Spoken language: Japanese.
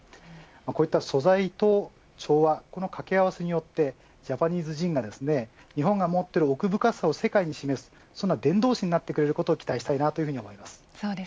こうした素材と調和のかけあわせによってジャパニーズジンが日本が持っている奥深さを世界に示すそんな伝道師になってくれることを期待したいです。